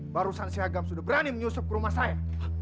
barusan si agam sudah berani menyusup ke rumah saya